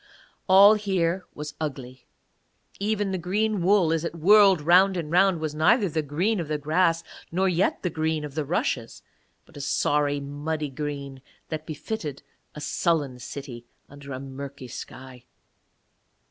All here was ugly; even the green wool as it whirled round and round was neither the green of the grass nor yet the green of the rushes, but a sorry muddy green that befitted a sullen city under a murky sky.